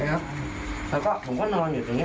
แล้วก็ผมก็นอนอยู่ตรงนี้